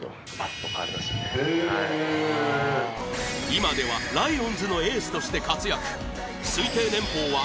今ではライオンズのエースとして活躍